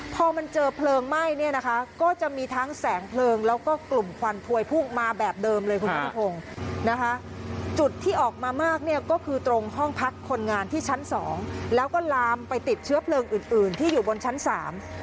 พอมันเจอเพลิงไหม้เนี่ยนะคะก็จะมีทั้งแสงเพลิงแล้วก็กลุ่มควันพวยพุ่งมาแบบเดิมเลยคุณผู้ชม